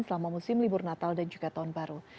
selama musim libur natal dan juga tahun baru